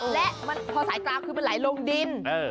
และพอสายกราวขึ้นมันไหลลงดิน